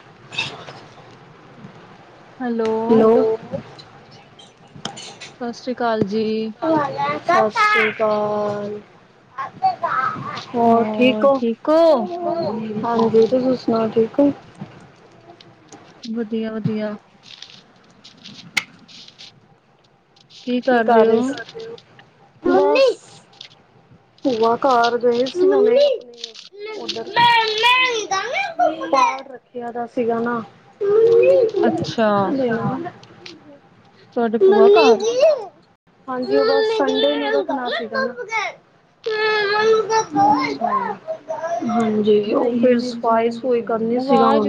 [inaudible] Hello. Hello, ਸਸ਼੍ਰੀ ਕਾਲ ਜੀ। ਸਸ਼੍ਰੀ ਕਾਲ। ਹੋਰ ਠੀਕ ਓ, ਹਾਂਜੀ, ਤੁਸੀ ਸੁਣਾਓ ਠੀਕ ਓ। ਵਧੀਆ ਵਧੀਆ। ਕੀ ਕਰ ਰਹੇ ਸੀ? ਭੂਆ ਕਰ ਗਏ। ਰੱਖਿਆ ਦਾ ਸੀਗਾ ਨਾ। ਅੱਛਾ। [inaudible] ਤੁਹਾਡੇ ਭੂਆ ਹਾਂ ਘਰ ਹਾਂਜੀ, ਓ [inaudible] ਅੱਛਾ ਹਾਂਜੀ, ਓ ਫੇਰ ਸਫਾਈ ਕੋਈ ਕੰਮ ਨੀ ਸੀਗਾ ਆਵਾਜ਼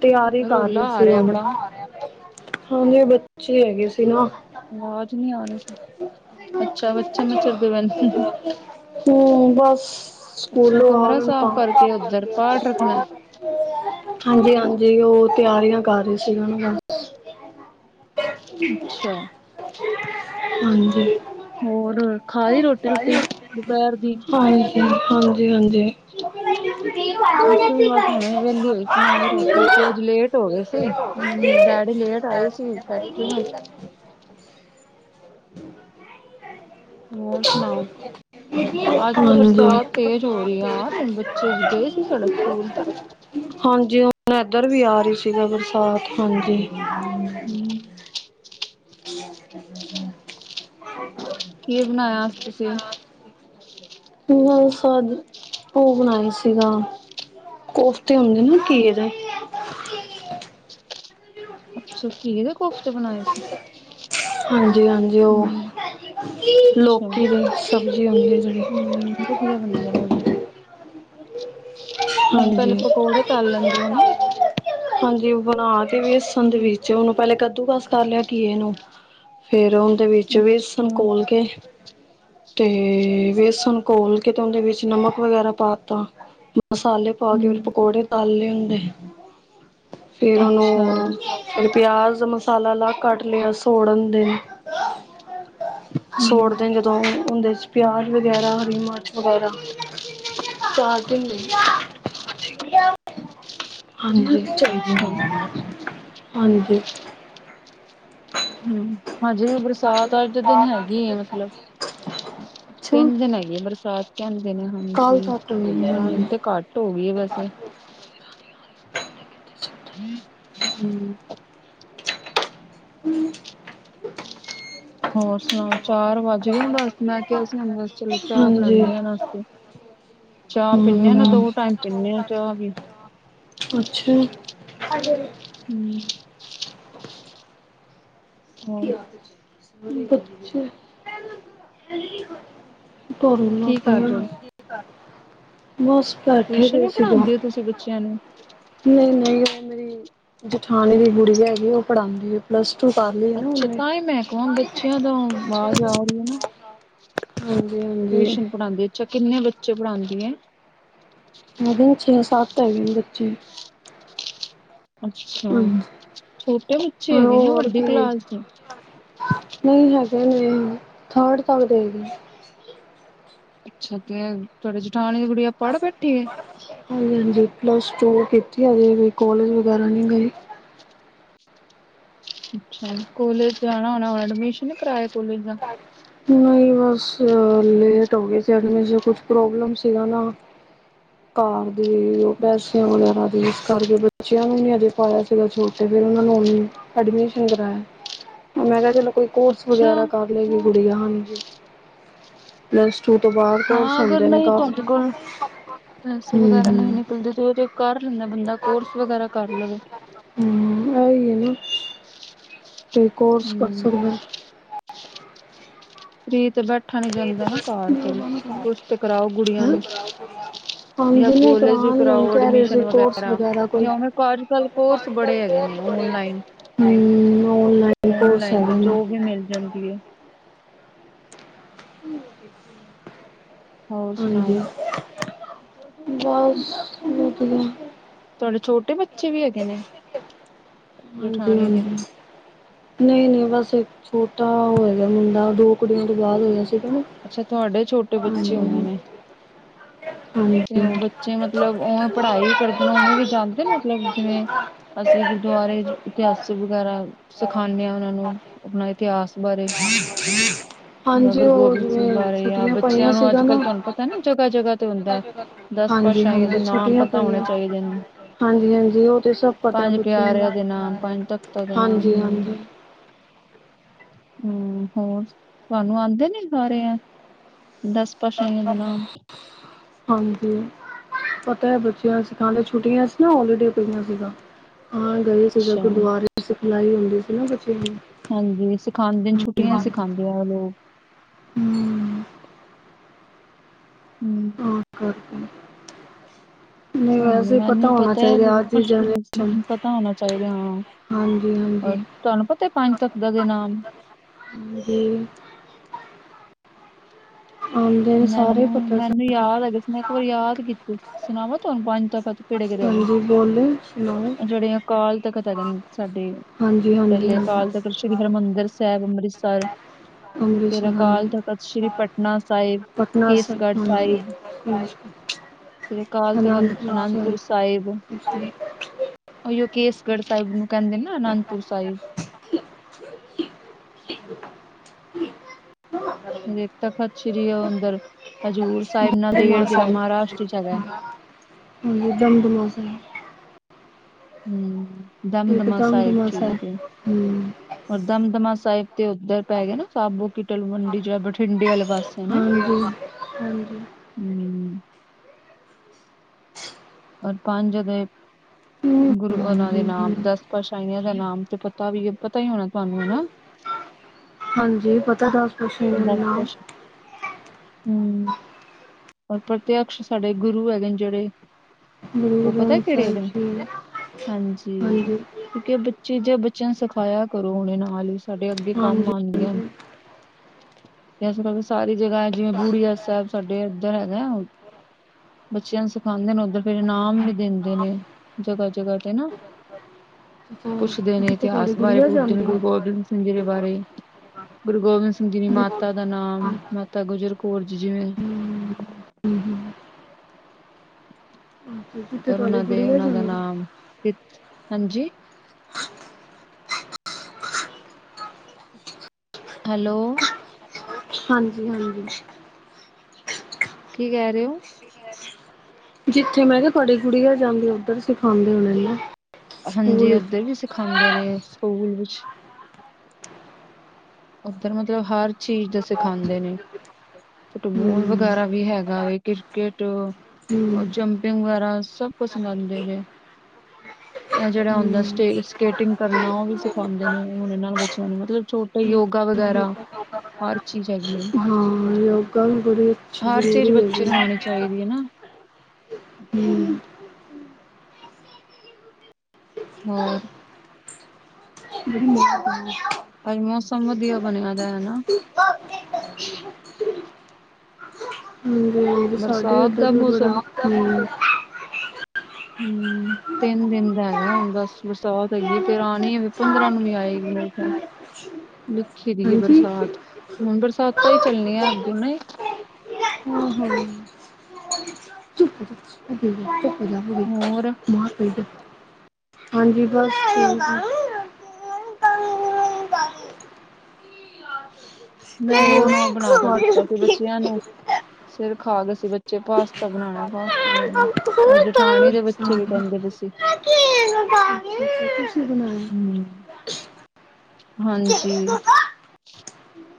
ਤਿਆਰੀ ਕਰ ਰੋਲਾ ਰਹੀ ਆ ਸੀ ਰਿਹਾ ਹੁਣੇ ਬੜਾ ਹੁਨ। ਹਾਂਜੀ, ਐ ਬੱਚੇ ਹੈਗੇ ਸੀ ਨਾ ਅਵਾਜ ਨੀ ਆ ਰੀ ਸੀ। ਅੱਛਾ, ਬੱਚੇ ਮਛਰਦੇ ਪੇਨ। ਹੂੰ ਬਸ ਅੱਛਾ, ਸਕੂਲੋਂ ਆ ਕਮਰਾ ਗਏ ਸਾਫ ਤਾਂ ਕਾਰਕੇ ਓੱਧਰ ਪਾਠ ਰੱਖਣੈ। ਹਾਂਜੀ, ਹਾਂਜੀ ਓ ਤਿਆਰੀਆਂ ਕਰ ਰਹੇ ਸੀ। [inaudible] ਅੱਛਾ। ਹਾਂਜੀ। ਹੋਰ, ਖਾਲੀ ਰੋਟੀ, ਰੋਟੀ ਰੋਟੀ ਦੁਪਹਿਰ ਦੀ? ਹਾਂਜੀ, ਹਾਂਜੀ, ਹਾਂਜੀ। [inaudible] [inaudible] ਹੰਜੀ ਅਸੀਂ ਵੀ ਬਸ ਹੁਣੇ ਵਿਹਲੀ ਹੋਈ ਸੀ ਮੈਂ ਵੀ ਰੋਟੀ ਰੂਟੀ ਅੱਜ ਲੇਟ ਹੋ ਗਏ ਸੀ ਡੈਡੀ ਲੇਟ ਆਏ ਸੀ ਫੈਕਟਰੀਓ ਹੋਰ ਸੁਨਾਓ ਅੱਜ ਤੇ ਬਰਸਾਤ ਤੇਜ਼ ਹੋ ਰਹੀ, ਆ ਰਿਆ, ਬੱਚੇ ਗਏ ਸੀ ਸਾਡੇ ਸਕੂਲ। ਹਾਂਜੀ, ਹੋਣਾ ਇਧਰ ਵੀ ਆ ਰੀ ਸੀਗਾ ਬਰਸਾਤ, ਹਾਂਜੀ। ਹੂੰ। [inaudible] [inaudible] ਕੀ ਬਨਾਯਾ ਅੱਜ, ਤੁਸੀ? [unintelligible] ਓ ਬਨਾਏ ਸੀਗਾ। ਕੋਫਤੇ ਹੁੰਦੇ ਨੇ ਨਾ ਘੀਏ ਦੇ [inaudible] ਅੱਛਾ ਘੀਏ ਦੇ ਕੋਫਤੇ ਬਣਾਏ ਸੀ ਹਾਂਜੀ, ਹਾਂਜੀ ਓ ਹਮ ਅੱਛਾ ਲੋੱਕੀ ਦੀ ਸਬਜ਼ੀ ਹੋਂਦੀ ਏ ਜੇੜੀ ਵਦੀਆ ਬਨਦੇ ਨੇ ਓਵੇਂ ਤੁਸੀਂ ਹਾਂਜੀ। ਪਹਿਲਾਂ ਪਕੌੜੇ ਤਲ ਲੈਂਦੇ ਓ ਨਾ ਹਾਂਜੀ, ਬਨਾ ਕੇ ਵੇੱਸਨ ਦੇ ਵਿੱਚ ਓਨੂੰ ਪਹਿਲੇ ਕੱਦੂ- ਕਰ ਲਿਆ ਘੀਏ ਨੂੰ ਫੇਰ ਉਹਦੇ ਵਿੱਚ ਅੱਛਾ ਵੇਸਣ ਘੋਲ ਕੇ ਤੇ ਬੇਸਣ ਘੋਲ ਕੇ ਤੇ ਉਹਦੇ ਵਿੱਚ ਨਮਕ ਵਗੈਰਾ ਪਾ ਤਾ। ਮਸਾਲੇ ਪਾ ਕੇ ਫਰ ਹਮ ਪਕੌੜੇ ਤੱਲਲੇ ਹੁੰਦੇ, ਫੇਰ ਉਹਨੂੰ ਅੱਛਾ ਫਿਰ ਪਿਆਜ਼ ਮਸਾਲਾ ਲਾ ਕੱਟ ਲਿਆ ਸੋੜਨ ਦਿਨ। ਸੋੜ ਹਮ ਦੇਣ ਜਦੋਂ ਉਹਦੇ 'ਚ ਪਿਆਜ਼ ਵਗੈਰਾ ਹਰੀ ਮਰਚ ਵਗੈਰਾ, ਚਾਰ ਹੁੰਦੇ ਹਾਂਜੀ ਚਾਈਦੀ ਅੱਛਾ ਹਾਂਜੀ। ਹੂੰ ਹਾਂਜੀ ਬਰਸਾਤ ਅੱਜ ਦੇ ਦਿਨ ਹੈਗੀ ਆ ਮਤਲਬ। ਅੱਛਾ ਤਿੰਨ ਦਿਨ ਹੈਗੀ ਆ ਬਰਸਾਤ ਕਹਿੰਦੇ ਨੇ ਹਾਂਜੀ ਕੱਲ ਤੱਕ ਮਿਲ ਹ ਜਾਣਗੇ। ਤੇ ਘੱਟ ਹੋ ਗਿਆ ਵੈਸੇ ਹੂੰ। ਹੂੰ। ਹੂੰ। ਹੋਰ ਸੁਨਾਓ, ਚਾਰ ਵਾੱਜਗੇਨ ਬਾੱਸ ਮੈਂ ਕੇਆ ਸੀ ਹੁਨ ਬਾੱਸ ਚਲੋ ਚਾਅ ਹਾਂਜੀ ਬਨਾਨੀ ਆਂ ਐਨਾ ਅਸਤੇ ਚਾਅ ਪੀਨੇ ਆਂ ਨਾ, ਹੂੰ ਦੋ ਟਾਈਮ ਪੀਨੇ ਆਂ ਚਾਅ ਵੀ। ਅੱਛਾ। [inaudible] ਹੂੰ। ਹੋਰ ਬੱਚੇ ਕੀ ਕਰ ਰਹੇ ਹੋ [inaudible] [unintelligible] ਬਾੱਸ ਟਵੀਸ਼ਨ ਵੀ ਪੜਾਂਦੇ ਓ ਤੂਸੀ ਬੱਚੇਆ ਨੂੰ? ਨਈ, ਨਈ ਓ ਮੇਰੀ ਜਠਾਨੀ ਦੀ ਗੂੜੀਆ ਹੈਗੀ ਏ, ਓ ਪੜਾਂਦੀ ਏ। ਅੱਛਾ, ਤਾਂਈ ਮੈਂ ਕਵਾਂ ਹਾਂਜੀ ਬੱਚੇਆਂ ਦਾ ਹੂਨ, ਵਾਜ ਆ ਰੀ ਏ ਨਾ। ਹਾਂਜੀ ਟਵੀਸ਼ਨ ਪੜਾਂਦੀ ਐ, ਅੱਛਾ ਕਿੰਨੇ ਬੱਚੇ ਪੜਾਦੀ ਏ? [unintelligible] ਛੇ-ਸਾੱਤ ਹੈਗੇ ਨੇ ਬੱਚੇ। ਅੱਛਾ, ਹਾਂਜੀ ਛੋਟੇ ਬੱਚੇ ਹੈਗੇ ਨੇ, ਵੱਡੀ ਕਲਾਸ ਦੇ? ਨਈ ਹੈਗੇ ਨੇ, ਥਰਡ ਤੱਕ ਦੇ ਹੇਗੇਨ। ਅੱਛਾ, ਤੇ ਐ ਤੂਆਡੀ ਜਠਾਨੀ ਦੀ ਗੁੜੀਆ ਪੜ੍ਹ ਬੈਠੀ ਹੈ [inaudible] ਹਾਂਜੀ, ਪਲੱਸ ਟੂ ਕੀਤੀ ਹਜੇ ਵੀ, ਕੋਲੇਜ ਵਗੈਰਾ ਨੀ ਗਈ। ਅੱਛਾ, ਕੋਲੇਜ ਜਾਣਾ ਹੋਣਾ, ਐਡਮਿਸ਼ਨ ਨੀ ਕਰਾਏਆ ਕੋਲੇਜ ਦਾ? ਨਈ ਬਾੱਸ ਲੇਟ ਹੋ ਗਏ ਸੀ ਐਡਮਿਸਨ, ਕੁੱਛ ਪ੍ਰੋਬਲਮ ਸੀਗਾ ਨਾ। ਘਾਰ ਦੀ, ਓ ਪੈਸੇਆਂ ਵਗੈਰਾ ਦੀ, ਇਸ ਕਾਰਕੇ ਬੱਚੇਆਂ ਨੂੰ ਨੀ ਹਜੇ ਪਾਏਆ ਸੀਗਾ ਛੋਟ ਟੇ ਫੇਰ ਓਨਾ ਨੂੰ ਹੂਨ ਐਡਮਿਸ਼ਨ ਕਰਾਏਆ, ਮੈਂ ਕੇਆ ਚਲੋ ਕੋਈ ਕੋਰਸ ਅੱਛਾ ਵਗੈਰਾ ਕਾਰ ਲੇਗੀ ਗੁੜੀਆਂ, ਹਾਂਜੀ। ਪਲੱਸ ਟੂ ਤੋਂ ਬਾਦ ਕੋਰਸ ਹਾਂ ਅਗਰ ਹੁੰਦੇ ਨੇ ਨਹੀਂ ਤੁਹਾਡੇ ਕਾਫੀ। ਕੋਲ ਪੈਸੇ ਹੂੰ ਵਗੈਰਾ ਨਈ ਹੂੰ। ਨਿਕਲਦੇ ਤੇ ਓ ਤੇ ਕਾਰ ਲੈਂਦੈ ਬੰਦਾ, ਕੋਰਸ ਵਗੈਰਾ ਕਾਰ ਲਵੇ। ਹੂੰ, ਓਈ ਏ ਨਾ। ਤੇ ਕੋਰਸ ਕਾਰ ਹੂੰ। ਸਕਦੈ ਫ੍ਰੀ ਤੇ ਬੈਠਾ ਨੀ ਜਾਂਦਾ ਨਾ ਘਾਰ ਫੇਰ, ਕੁੱਛ ਤੇ ਕਰਾਓ ਗੁੜੀਆਂ ਹੈਂ। ਨੂੰ‌। ਯਾ ਹਾਂਜੀ ਨਹੀਂ ਕੋਲੇਜ ਕਰਾਉਣਗੇ ਹੁਣ ਕਰਾਓ ਕਹਿ ਰਹੇ ਐਡਮਿਸ਼ਨ ਸੀ ਕੋਰਸ ਵਗੈਰਾ ਕੋਈ। ਯਾ ਹੂਨ ਵੇਕੋ ਆਜ-ਕਲ ਕੋਰਸ ਬੜੇ ਹੈਗੇ ਨੇ ਓਨਲਾਈਨ, ਹੂੰ ਔਨਲਾਈਨ ਕੋਰਸ ਓਨਲਾਈਨ ਤਾ ਹੈਗੇ ਨੇ ਜੋਬ ਵੀ ਮਿਲ ਜਾਨ ਦੀ ਏ। [inaudible] ਹੋਰ ਹਾਂਜੀ, ਸੁਣਾਓ ਬਾੱਸ ਵਦੀਆ। ਤੂਆਡੇ ਛੋਟੇ ਬੱਚੇ ਵੀ ਹੈਗੇ ਨੇ? ਹਾਂਜੀ, ਜਠਾਣੀ ਦੇ ਹਾਂਜੀ। ਨਈ-ਨਈ ਬਾੱਸ ਇੱਕ ਛੋਟਾ ਓ ਹੈਗੈ ਮੁੰਡਾ, ਦੋ ਕੁੜੀਆਂ ਤੋਂ ਬਾਦ ਹੋਏਆ ਸੀਗਾ ਨਾ। ਅੱਛਾ ਤੂਆਡੇ ਛੋਟੇ ਬੱਚੇ ਹੂਨੇ ਹਾਂਜੀ ਨੇ। ਹਾਂਜੀ। ਤੇ ਓ ਬੱਚੇ ਮਤਲਬ ਓਵੇਂ ਪੜਾਈ ਵੀ ਕਰਦੇ ਨੇ, ਓਵੇਂ ਵੀ ਜਾਂਦੇ ਨੇ ਮਤਲਬ ਜਿਵੇਂ ਅਸੀਂ ਗੁਰਦੁਆਰੇ ਇਤਿਹਾਸੀ ਵਗੈਰਾ ਸਿਖਾਂਨੇ ਆਂ ਓਨਾਂ ਨੂੰ, ਅਪਨਾ ਇਤਿਹਾਸ ਬਾਰੇ। [inaudible] ਜਾਂ ਹਾਂਜੀ ਗੁਰੂ ਓ ਗੋਬਿੰਦ ਜਿਵੇਂ ਛੁੱਟੀਆਂ ਪਾਈਆਂ ਸੀਗਾ ਨਾ ਤ ਨਾ ਜਗਾ, ਜਗਾ [inaudible] ਹਾਂਜੀ, ਹਾਂਜੀ ਛੁੱਟੀਆਂ ਪਤਾ ਹੋਣੇ ਪਈਆਂ। ਚਾਹੀਦੇ ਨੇ ਹਾਂਜੀ, ਹਾਂਜੀ ਓ ਤੇ ਸਬ ਪਤੈ ਪੰਜ ਬੱਚੇਆ ਨੂੰ, ਪਿਆਰਿਆਂ ਦੇ ਨਾਮ ਪੰਜ ਤਖ਼ਤਾਂ ਦੇ ਨਾਮ ਹਾਂਜੀ, ਹਾਂਜੀ। [inaudible] ਹੂੰ ਹੋਰ ਤੂਆਨੂੰ ਆਂਦੇ ਨੇ ਸਾਰੇ ਐ, ਦਾੱਸ [inaudible] ਹਾਂਜੀ। ਪਤਾ ਐ, ਬੱਚੇਆਂ ਸਿਖਾਂਦੇ ਛੁੱਟੀਆਂ ਸੀ ਨਾ ਹੋਲੀਡੇ ਪਈਆਂ ਸੀਗਾਂ, ਹਾਂ ਗਏ ਸੀਗਾ, ਅੱਛਾ ਗੁਰਦੁਆਰੇ ਸਿਖਲਾਈ ਹੁੰਦੀ ਸੀ ਨਾ ਬੱਚੇਆਂ ਨੂੰ ਹਾਂਜੀ, ਸਿਖਾਂਦੇਨ, ਛੁੱਟੀਆਂ ਚ ਹਮ ਸਿਖਾਂਦੇ ਆਂ ਲੋਗ। ਹੂੰ। [inaudible] ਸਾਨੂੰ, ਵੈਸੇ ਮੈਨੂੰ ਪਤਾ ਵੀ ਹੋਣਾ ਪਤੈ ਚਾਹੀਦਾ ਲੇਕਿਨ ਅੱਜ ਪੂੱਛ ਦੀ ਪੀ ਜਨਰੇਸ਼ਨ ਸੀ, ਪਤਾ ਹੋਨੇ ਚਾਈਦੈ, ਹਾਂ। ਹਾਂਜੀ ਹਾਂਜੀ ਹੋਰ, ਤੂਆਨੂੰ ਪਤੈ ਪਾੰਜ ਤੱਖਦਾ ਦੇ ਨਾਮ? ਹਾਂਜੀ। ਆਉਂਦੇ ਨੇ ਸਾਰੇ ਮੈਨੂੰ, ਪਤਾ ਮੈਨੂੰ ਸਾਡੇ ਯਾਦ ਹੈਗੇ ਸੀ ਮੈਂ ਇੱਕ ਵਾਰੀ ਯਾਦ ਕੀਤੇ, ਸੁਣਾਵਾ ਤੁਹਾਨੂੰ ਪੰਜ ਤਖਤ? ਕਿਹੜੇ, ਕਿਹੜੇ ਹੈਗੇ? ਹਾਂਜੀ ਬੋਲੇ ਸੁਣਾਓ ਜਿਹੜੇ ਅਕਾਲ ਤਖ਼ਤ ਹੈਗੇ ਨੇ ਸਾਡੇ। ਹਾਂਜੀ, ਹਾਂਜੀ, ਹਾਂਜੀ। ਸ਼੍ਰੀ ਹਰਿਮੰਦਰੁ ਸਾਹਿਬ, ਅੰਮ੍ਰਿਤਸਰ। ਫੇਰ ਅੰਮ੍ਰਿਤਸਰ ਅਕਾਲ ਤਖ਼ਤ, ਸ਼੍ਰੀ ਹਾਂਜੀ ਪਟਨਾ ਸਾਹਿਬ। ਪਟਨਾ ਸ ਕੇਸਗੜ੍ਹ ਸ੍ਰੀ ਅਕਾਲ ਤਖ਼ਤ, ਅਨੰਦਪੁਰ ਸਾਹਿਬ। ਓਇਓ ਕੇਸਗੜ੍ਹ ਸਾਹਿਬ ਨੂੰ ਕਹਿੰਦੇ ਨਾ ਅਨੰਦਪੁਰ ਸਾਹਿਬ। [unintelligible] [unintelligible] ਜਿਹੜੇ ਤਖਤ ਸ਼੍ਰੀ ਓ ਅੰਦਰ ਹਜ਼ੂਰ ਸਾਹਿਬ ਨਦੇੜ ਦਮਦਮਾ ਜਿਹੜਾ ਸਾਹਿਬ ਮਹਾਰਾਸ਼ਟਰ ਚ ਹੈਗਾ? ਹਾਂਜੀ, ਦਮਦਮਾ ਸ ਹਮ, ਦਮਦਮਾ ਸਾਹਿਬ ਠੀਕ ਏ। ਹੂੰ। ਔਰ, ਦਮਦਮਾ ਸਾਹਿਬ ਤੇ ਉੱਧਰ ਪੈ ਗਿਆ ਨਾ ਸਾਬੋ ਤਲਵੰਡੀ ਜੋ ਹੈ ਬਠਿੰਡੇ ਵਾਲੇ ਪਾਸੇ ਨਾ? ਹਾਂਜੀ ਹਾਂਜੀ ਹਮ। [inaudible] ਔਰ ਪੰਜ ਦੇ ਹਮ ਗੁਰੂ ਉਹਨਾਂ ਦੇ ਹਾਂਜੀ ਨਾਮ ਦਾ ਸਪਸ਼ [unintelligible] ਦਾ ਨਾਮ ਤੇ ਪਤਾ ਵੀ ਪਤਾ ਹੀ ਹੋਣਾ ਤੁਹਾਨੂੰ ਹਨਾ? ਹਾਂਜੀ, ਪਤਾ ਦੱਸ ਪਾਤਸ਼ਾਹੀਆਂ ਦਸ ਦੇ ਨਾਮ। ਪਾਤਸ਼ਾਹ ਹੂੰ, ਔਰ ਪ੍ਰਤਿਯਕਸ਼ ਸਾਡੇ ਗੁਰੂ ਹੈਗੇ ਨੇ ਜਿਹੜੇ? ਗੁਰੂ ਉਹ ਪਤਾ ਏ ਗ੍ਰੰਥ ਕਿਹੜੇ ਸਾਹਿਬ ਹੈਗੇ ਨੇ? ਜੀ ਹਾਂਜੀ। ਕਿਉਂਕਿ ਬੱਚੇ ਜੇ ਬੱਚਿਆਂ ਨੂੰ ਸਿਖਾਇਆ ਕਰੋ ਹੁਣੇ ਨਾਲ ਹੀ ਸਾਡੇ ਅੱਗੇ ਕੰਮ ਹਾਂਜੀ ਹਾਂਜੀ ਆਨਗੇ। [unintelligible] [unintelligible] [unintelligible] ਕਰਕੇ ਸਾਰੀ ਜਗ੍ਹਾ ਹੈ ਜਿਵੇਂ ਬੂੜੀਆ ਸਾਹਿਬ, ਸਾਡੇ ਇੱਧਰ ਹੈਗਾ। ਬੱਚਿਆਂ ਨੂੰ ਸਿਖਾਉਂਦੇ ਨੇ ਉੱਧਰ। ਫੇਿਰ ਇਨਾਮ ਵੀ ਦਿੰਦੇ ਨੇ ਜਗ੍ਹਾ, ਜਗ੍ਹਾ ਤੇ ਨਾ। ਪੁੱਛਦੇ ਜਿੱਥੇ ਨੇ, ਜਿੱਥੇ ਤੁਹਾਡੀ ਇਤਿਹਾਸ ਬਾਰੇ ਗੁੜੀਆ ਪੁੱਛਦੇ ਨੇ, ਜਾਂਦੀ ਹੈ ਗੁਰੂ ਗੋਬਿੰਦ ਸਿੰਘ ਜੀ ਦੇ ਬਾਰੇ। ਗੁਰੂ ਗੋਬਿੰਦ ਸਿੰਘ ਜੀ ਦੀ ਜਿ- ਮਾਤਾ ਦਾ ਨਾਮ, ਹਮ, ਮਾਤਾ ਗੁਜਰ ਕੌਰ ਜੀ ਜਿਵੇਂ। ਹਮ, ਹਮ, ਅੱਛਾ, ਜਿੱਥੇ ਔਰ ਉਹਨਾਂ ਤੁਹਾਡੀ ਦੇ, ਗੁੜੀਆ ਉਹਨਾਂ ਦਾ ਜਾਂਦੀ ਹੈ ਨਾਮ, ਹਾਂਜੀ। ਹੈਲੋ। ਹਾਂਜੀ, ਹਾਂਜੀ। ਕੀ ਕਹਿ ਰਹੇ ਹੋ? ਤੇ। [unintelligible] ਜਿੱਥੇ ਮੈਂ ਕਿਹਾ ਤੁਹਾਡੀ ਗੁੜੀਆਂ ਜਾਂਦੀ ਉੱਧਰ ਸਿਖਾਉਂਦੇ ਹੋਣੇ ਨੇ ਨਾ? ਹਾਂਜੀ, ਸਕੂਲ ਵਿੱਚ ਉੱਧਰ ਵੀ ਸਿਖਾਉਂਦੇ ਨੇ ਸਕੂਲ ਵਿੱਚ। ਉੱਧਰ, ਮਤਲਬ ਹਰ ਚੀਜ਼ ਦਾ ਸਿਖਾਂਦੇ ਨੇ। ਫੁਟਬਾਲ, ਹਮ ਵਗੈਰਾ ਵੀ ਹੈਗਾ ਵੇ ਕ੍ਰਿਕਟ। ਹਮ ਉਹ ਜੰਪਿੰਗ, ਵਗੈਰਾ ਸਭ ਕੁਛ ਸਿਖਾਉਂਦੇ ਨੇ। ਹਮਮ। [unintelligible] ਏ ਜਿਹੜਾ ਹੁੰਦਾ ਸਟਾ ਸਕੇਟਿੰਗ ਕਰਨਾ ਉਹ ਵੀ ਸਿਖਾਉਂਦੇ ਨੇ ਹੁਣੇ ਨਾਲ ਬੱਚਿਆਂ ਨੂੰ ਮਤਲਬ ਛੋਟ ਯੋਗਾ, ਹਮ ਵਗੈਰਾ ਹਰ ਚੀਜ਼ ਹੈਗੀ ਹੈ ਅ। ਹਾਂ, ਯੋਗਾ ਵੀ ਬੜੀ ਅੱਛੀ ਚੀਜ਼ ਜ਼ਰੂਰੀ ਬੱਚੇ ਹੈਗੀ ਨੂੰ ਹਾ। ਆਉਣੀ ਚਾਹੀਦੀ ਹੈ ਨਾ। ਹੂੰ। ਹੋਰ? ਬਧੀਆਂ ਬਆ। [unintelligible] ਅੱਜ, ਮੌਸਮ ਵਧੀਆ ਬਣਿਆਦਾ ਹਨਾ। ਹਾਂਜੀ ਹਾਂਜੀ, ਹਾਂਜੀ ਸਾਡੇ ਬਰਸਾਤ ਇੱਧਰ ਦਾ ਵੀ ਮੌਸਮ ਬੜਾ। ਹੁੰ। ਤਿੰਨ ਦਿਨ ਦਾ ਹੈਗਾ ਹੁਣ ਬਸ ਬਰਸਾਤ ਹੈਗੀ ਫੇਰ ਆਉਣੀ ਆ ਵੀ। ਪੰਦਰਾਂ ਨੂੰ ਵੀ ਆਏਗੀ ਮੇਰਾ ਅੱਛ। ਲਿਖੀ ਦੀ ਹੈ। ਬਰਸਾਤ ਹੁਣ ਬਰਸਾਤ ਤਾਂ ਹੀ ਚੱਲਣੀ ਆ ਅੱਗੋਂ ਨੇ। ਹਮ ਹਮ। ਚੁੱਕ ਜਾ ਹੋਰ ਮੇਡ। ਹਾਂਜੀ ਬਸ ਠੀਕ। ਮੈਂ ਵੀ ਉਹਨੂੰ ਬਣਾ ਕੇ ਦਿੱਤਾ ਸੀ। ਠੀਕ ਬੱਚਿਆਂ ਨੂੰ ਸਿਰ ਖਾ ਰਹੇ ਸੀ। ਬੱਚੇ ਪਾਸਤਾ ਬਣਾਉਣਾ ਪਾਸਤਾ ਬਣਾਉਣਾ। ਆ ਉਹ ਹੋਰ ਜਠਾਣੀ ਦੇ ਬੱਚੇ ਵੀ ਕਹਿੰਦੇ ਪਏ ਸੀ। ਤੁਸੀਂ ਬਣਾਇਆ ਹਮਮ ਹਾਂਜੀ।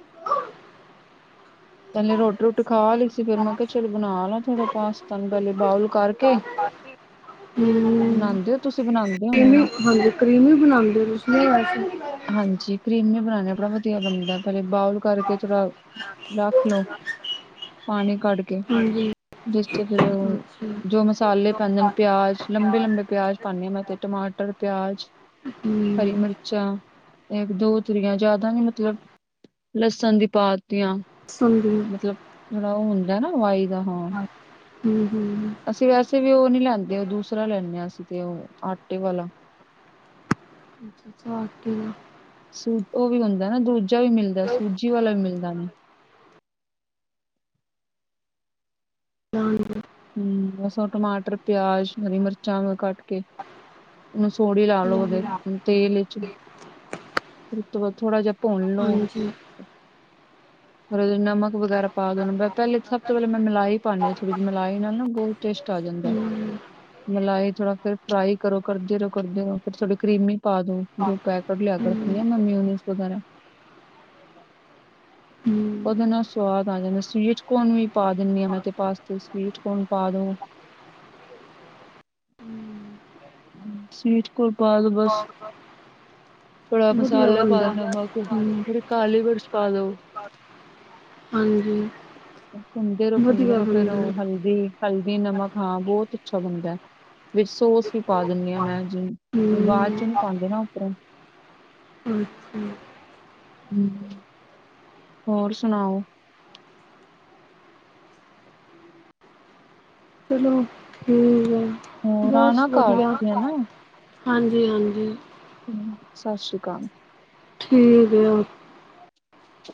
ਹਮ ਪਲੇ ਰੋਟੀ-ਰੋਟੀ ਖਾ ਲਈ ਸੀ। ਫੇਰ ਮੈਂ ਕਿਹਾ ਚਲ ਬਣਾ ਲਾ ਥੋੜਾ ਪਾਸਤਾ ਨੂੰ ਪਹਿਲਾਂ ਬਾਊਲ ਕਰਕੇ। ਸਸ। ਹਮਮ। ਤੁਸੀਂ ਬਣਾਉਂਦੇ ਹੋਣੇ ਹੋ। ਹਾਂਜੀ ਕਰੀਮੀ ਬਣਾਉਂਦੇ ਤੁਸੀਂ ਆ। ਹਾਂਜੀ ਕਰੀਮੀ ਬਣਾਉਣੇ ਆਪੜਾ ਵਧੀਆ ਬਣਦਾ। ਪਹਿਲੇ ਬਊਲ ਕਰਕੇ ਥੋੜਾ। ਰੱਖ ਲੋ ਪਾਣੀ ਕੱਢ ਕੇ ਹਾਂਜੀ ਜਿਸ 'ਚ' ਫਿਰ ਊ। ਅੱਛਾ। ਜੋ ਮਸਾਲੇ ਪੈਂਦਾ ਨੇ ਲੋਕਸਾਂਗੇ ਸਭ ਪਿਆਜ ਪਿਆਰ ਲੰਬੇ-ਲੰਬੇ ਪਿਆਜ ਪਨੀਆ। ਹਾਂ ਮੈਂ ਤੇ ਟਮਾਟਰ ਪਿਆਜ਼। ਹੂੰ ਹਰੀ ਮਿਰਚਾਂ ਇਹ ਦੋ ਤੁਰੀਆਂ ਜਿਆਦਾ ਨੀ ਮਤਲਬ। ਲਸਣ ਦੀ ਪਾਤੀਆਂ। ਸੁਣਦੀ ਮਤਲਬ ਜਿਹੜਾ ਉਹ ਹੁੰਦਾ ਨਾ ਵਾਇਗਾ ਦਾ ਹਣ। ਹਮ ਹਮਮ। ਅਸੀਂ ਵੈਸੇ ਵੀ ਉਹ ਨੀ ਲੈਂਦੇ ਉਹ ਦੂਸਰਾ ਲੈਣਾ ਹਾਂ। ਅਸੀਂ ਤੇ ਉਹ ਆਟੇ ਵਾਲਾ। ਅੱਛਾ - ਅੱਛਾ ਆਟੇ ਵਾਲਾ। ਸੂਜੀ ਉਹ ਵੀ ਹੁੰਦਾ ਨਾ। ਦੂਜਾ ਵੀ ਮਿਲਦਾ ਸੂਜੀ ਵਾਲਾ ਵੀ ਮਿਲਦਾ ਨੇ। ਹਾਂ ਮ। ਹਮ ਬਸ ਟਮਾਟਰ ਪਿਆਜ਼ ਹਰੀ ਮਿਰਚਾਂ ਨੂੰ ਕੱਟ ਕੇ। ਹੁਣ ਸੋਹੜੀ ਲਾ - ਲੋੋ ਉਹਦੇ ਤੇਲ ਵਿੱਚ। ਫਿਰ ਥੋੜ੍ਹਾ ਜਿਹਾ ਭੁੰਨ ਲੋ। ਹਾਂਜੀ ਫਿਰ ਉਹਦੇ ਨਕ ਵਗੈਰਾ ਪਾ ਦੋ ਉਹੂੰ। ਮੈਂ ਪਹਿਲੇ ਸਭ ਤੋਂ ਪਹਿਲੇ ਮਲਾਈ ਪਾਉਣੀ ਹਾਂ। ਥੋੜੀ ਜਹੀ ਮਲਾਈ ਨਾਲ ਨਾ ਬਹੁਤ। ਟੇਸ਼ਟ ਆ ਜਾਂਦਾ ਹੈ। ਹੂੰ ਹੂੰ ਮਲਾਈ ਥੋੜਾ। ਫਿਰ ਫਰਾਈ ਕਰੋ ਕਰਦੇ ਰਹੋ ਕਰਦੇ ਰਹੋ। ਫਿਰ ਥੋੜੀ ਕਰ੍ਰਮੀ ਪਾ ਦੋ ਜੋ ਪੈਕੇਟ ਲਿਆ ਕੇ ਹੂੰ ਰੱਖਣੀ ਆ। ਮੈਂ ਮਿਊਨੀਸ ਵਗੈਰਾ। ਉਹਦੇ ਨਾਲ ਸਵਾਦ ਆ ਜਾਂਦਾ ਹੈ। ਸਵੀਟਕੋਨ ਵੀ ਪਾ ਦਿੰਦੀ ਹਾਂ ਮੈਂ ਤੇ ਪਾਸਤੇ ਸਵੀਟਕੋਨ ਪਾ ਦੋ। ਹੂੰ ਸਵੀਟ। ਕੋਨ ਪਾਦੋ ਬਸ ਥੋੜਾ ਵਧੀਆ ਮਸਾਲਾ ਪਾ ਬੰਦਾ ਨਮਕ ਹੂੰ ਥੋੜੀ। ਕਾਲੀ ਮਿਰਚ ਪਾ ਦੋ। ਹਾਂਜੀ ਪੁੰਨਦੇ- ਵਧੀਆ ਪੁੰਨਦੇ ਫੇਰ ਬੰਦਾ ਉਹ ਹਲਦੀ। ਹਲਦੀ ਨਮਕ ਹਾਂ ਬਹੁਤ ਅੱਛਾ ਬਣਦਾ ਹੈ ਵੀ ਸੋਸ। ਪਾ ਦਿਨੀ ਆ ਮੈਂ। ਅੱਜ ਬਾਅਦ ਹੂੰ ਚੋਂ ਨੀ ਪਾਉਂਦੇ ਨਾ ਉੱਪਰੋਂ। ਅੱੱਛਾ। ਹਮ। [unintelligible] ਹੋਰ ਸੁਣਾਓ? ਚਲੋ ਠੀਕ ਹੈ। ਹੋਰ ਬਸ ਆਣਾ ਘਰ ਵਧੀਆ ਤੁਸੀਂ ਹਨਾ ਹਾਂਜੀ- ਹਾਂਜੀ। ਸਤਿ ਸ਼੍ਰੀ ਅਕਾਲ। ਠੀਕ ਆ ਓ। ਸ।